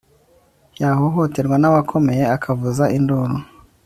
yahohoterwa n'abakomeye akavuza induru